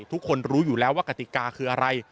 ทุกคนรู้อยู่แล้วว่ากติกาคืออะไร